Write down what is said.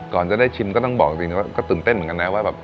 ก่อนจะได้ชิมก็ต้องบอกจริงว่าก็ตื่นเต้นเหมือนกันนะว่าแบบ